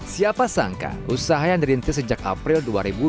siapa sangka usaha yang dirintis sejak april dua ribu dua puluh